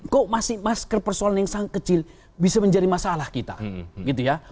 kok masih masker persoalan yang sangat kecil bisa menjadi masalah kita gitu ya